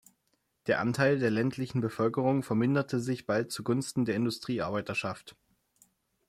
Der Anteil der ländlichen Bevölkerung verminderte sich bald zugunsten der Industriearbeiterschaft.